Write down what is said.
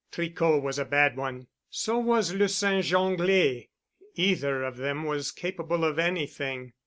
Tricot was a bad one. So was Le Singe Anglais. Either of them was capable of anything.